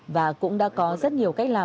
và cũng đã có rất nhiều cách làm